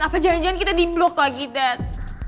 apa jangan jangan kita di blok lagi dan